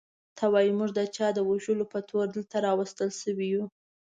ته وا موږ د چا د وژلو په تور دلته راوستل شوي یو.